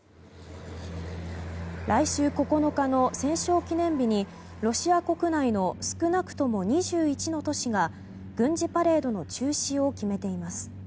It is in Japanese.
来週９日の戦勝記念日にロシア国内の少なくとも２１の都市が軍事パレードの中止を決めています。